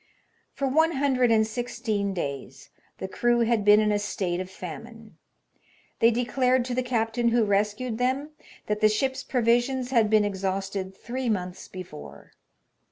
For one hundred and sixteen days the crew had been' in a state of famine. They declared to the captain who rescued them, that the ship's provisions had been exhausted three months before.